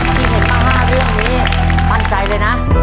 ที่เห็นมา๕เรื่องนี้มั่นใจเลยนะ